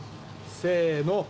せーの。